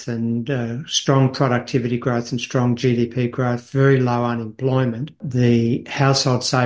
peningkatan produktivitas yang kuat peningkatan gdp yang kuat peningkatan pekerjaan yang sangat rendah